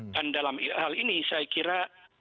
dan dalam hal ini saya kira